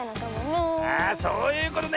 あそういうことね。